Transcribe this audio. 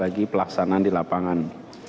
bagi pelaksanaan di lapangan